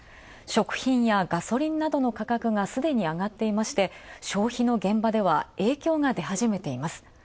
食品やガソリンなどの価格がすでに上がっていて、消費の現場では影響が出始めています。